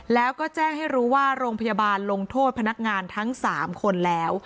แล้วก็แจ้งให้รู้ว่าโรงพยาบาลลงโทษพนักงานทั้ง๓คนแล้ว